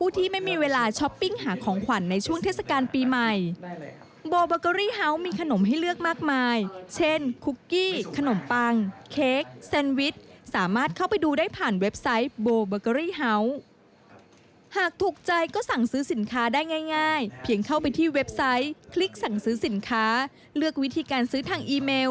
โทรศัพท์โดยตรง